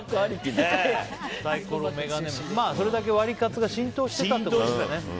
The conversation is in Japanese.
それだけワリカツが浸透してたってことですね。